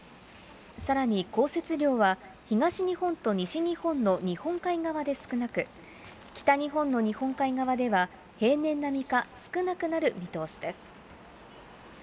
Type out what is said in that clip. さらに降雪量は東日本と西日本の日本海側で少なく、北日本の日本海側では平年並みか少なくなる見通しです。